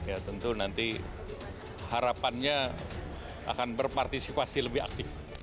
ya tentu nanti harapannya akan berpartisipasi lebih aktif